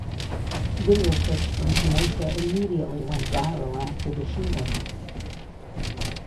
Video clips from Kenosha immediately went viral after the shooting.